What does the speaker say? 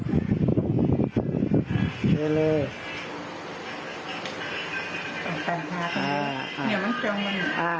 ก่อนใช้ไม้เท้าเลยครับ